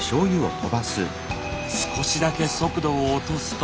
少しだけ速度を落とすと。